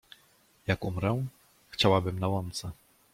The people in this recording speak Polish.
Jak umrę? Chciałabym na łące.